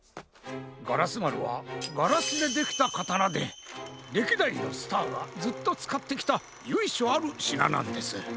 ガラスまるはガラスでできたかたなでれきだいのスターがずっとつかってきたゆいしょあるしななんです。